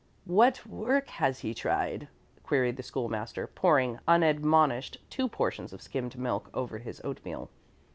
"What work has he tried?" queried the School master, pouring unadmonished two portions of skimmed milk over his oatmeal.